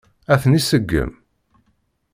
Ad ten-iseggem?